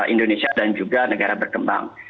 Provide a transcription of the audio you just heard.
indonesia dan juga negara berkembang